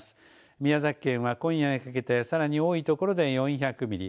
宮崎県は今夜にかけてさらに多いところで４００ミリ